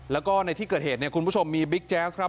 แล้วก็ในที่เกิดเหตุเนี่ยคุณผู้ชมมีบิ๊กแจ๊สครับ